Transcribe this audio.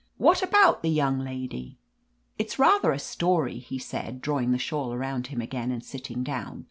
What about the young lady ?" "It's rather a story," he said, drawing the shawl around him again and sitting down.